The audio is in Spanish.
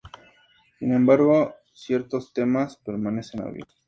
Sin embargo ciertos temas permanecen abiertos.